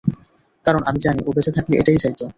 কারণ আমি জানি, ও বেঁচে থাকলে এটাই চাইতো।